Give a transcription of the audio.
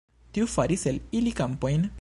Tiu faris el ili kampojn.